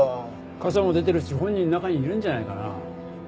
傘も出てるし本人中にいるんじゃないかな。